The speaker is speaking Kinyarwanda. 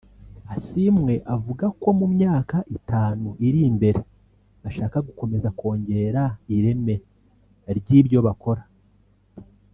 Asiimwe avuga ko mu myaka itanu iri imbere bashaka gukomeza kongera ireme ry’ibyo bakora